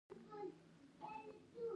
ډیر کار مه کوئ